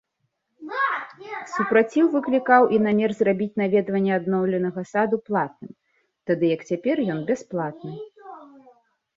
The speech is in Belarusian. Супраціў выклікаў і намер зрабіць наведванне адноўленага саду платным, тады як цяпер ён бясплатны.